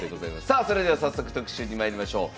さあそれでは早速特集にまいりましょう。